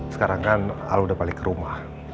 sekarang kan al sudah balik ke rumah